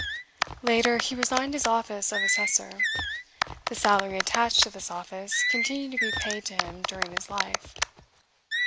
Later, he resigned his office of Assessor: the salary attached to this office continued to be paid to him during his life.